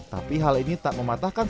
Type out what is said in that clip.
tapi hal ini tak mematahkan